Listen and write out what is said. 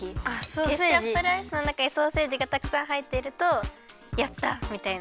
ケチャップライスのなかにソーセージがたくさんはいってるとやった！みたいな。